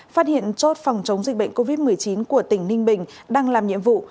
phát hiện chốt phòng chống dịch bệnh covid một mươi chín của tỉnh ninh bình đang làm nhiệm vụ